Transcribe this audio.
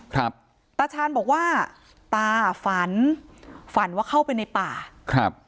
ครับตาชาญบอกว่าตาฝันฝันว่าเข้าไปในป่าครับ